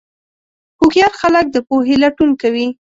هوښیار خلک د پوهې لټون کوي.